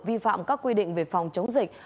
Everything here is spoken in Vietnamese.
vi phạm các quy định về phòng chống dịch